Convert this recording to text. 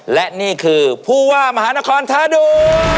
และนี่คือผู้ว่ามหานครท้าดู